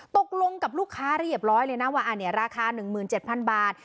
ตกลงกับลูกค้าเรียบร้อยเลยนะว่าราคา๑๗๐๐บาท